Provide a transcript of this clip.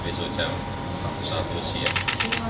besok jam satu siang